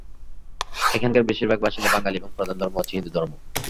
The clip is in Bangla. এখানকার বেশিরভাগ বাসিন্দা বাঙালি এবং প্রধান ধর্ম হচ্ছে হিন্দুধর্ম।